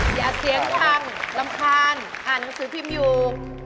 อย่าเสียงดังรำคาญอ่านหนังสือพิมพ์อยู่